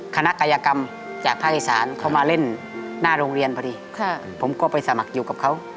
คณะกายกรรมจากภาคอีสานเขามาเล่นหน้าโรงเรียนพอดีผมก็ไปสมัครอยู่กับเขา